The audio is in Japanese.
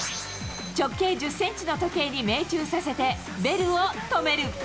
直径１０センチの時計に命中させて、ベルを止める。